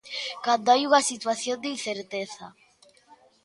Cando hai unha situación de incerteza.